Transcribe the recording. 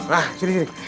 nah sini sini